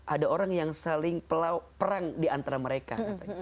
ada orang yang saling perang di antara mereka